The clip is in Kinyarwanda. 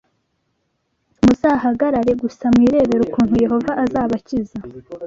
Muzahagarare gusa mwirebere ukuntu Yehova azabakiza